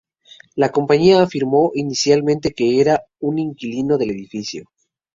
La compañía afirmó inicialmente que era un inquilino del edificio.